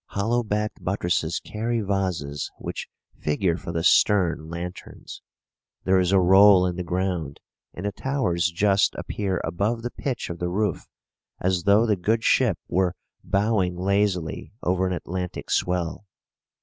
Hollow backed buttresses carry vases, which figure for the stern lanterns. There is a roll in the ground, and the towers just appear above the pitch of the roof, as though the good ship were bowing lazily over an Atlantic swell.